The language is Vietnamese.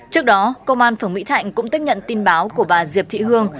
trước đó công an phưởng mỹ thạnh cũng tích nhận tin báo của bà diệp thị hương